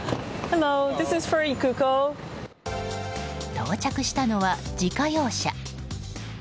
到着したのは自家用車。